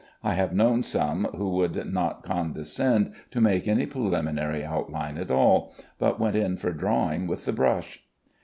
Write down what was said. I have known some who would not condescend to make any preliminary outline at all, but went in for drawing with the brush.